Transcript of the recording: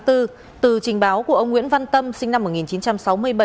từ trình báo của ông nguyễn văn tâm sinh năm một nghìn chín trăm sáu mươi bảy